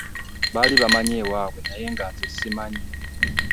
Baali bammanyi ewaabwe naye nga nze ssimanyi.